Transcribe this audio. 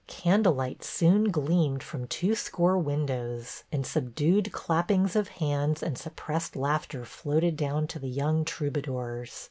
Candle lights soon gleamed from two score windows, and subdued clappings of hands and suppressed laughter floated down to the young troubadours.